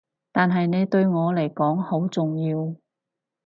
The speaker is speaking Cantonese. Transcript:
但係你對我嚟講好重要